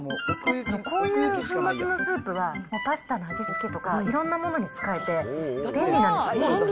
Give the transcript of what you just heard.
こういう粉末のスープは、パスタの味付けとかいろんなものに使えて便利なんですよ。